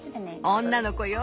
女の子よ。